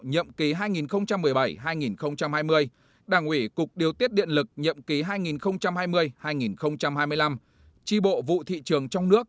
nhậm ký hai nghìn một mươi bảy hai nghìn hai mươi đảng ủy cục điều tiết điện lực nhậm ký hai nghìn hai mươi hai nghìn hai mươi năm chi bộ vụ thị trường trong nước